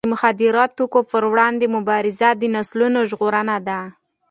د مخدره توکو پر وړاندې مبارزه د نسلونو ژغورنه ده.